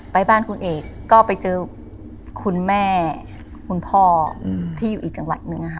ไปบ้านคุณเอกก็ไปเจอคุณแม่คุณพ่อที่อยู่อีกจังหวัดนึง